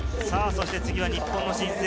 そして次は日本の新星。